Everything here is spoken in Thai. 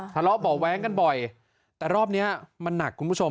ทะเลาะเบาะแว้งกันบ่อยแต่รอบนี้มันหนักคุณผู้ชม